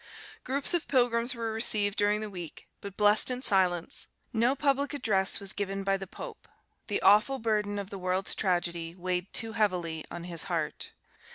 Groups of pilgrims were received during the week, but blessed in silence; no public address was given by the pope: the awful burden of the world's tragedy weighed too heavily on his heart.